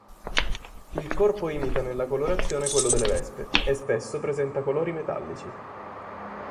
Il corpo imita nella colorazione quello delle vespe e spesso presenta colori metallici.